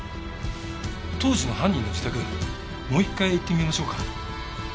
当時の犯人の自宅もう一回行ってみましょうか。